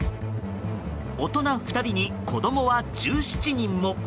大人２人に、子供は１７人も。